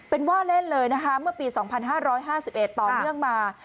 เป็นว่าเล่นเลยนะคะเมื่อปี๒๕๕๑ต่อเนื่องมา